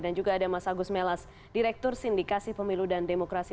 dan juga ada mas agus melas direktur sindikasi pemilu dan demokrasi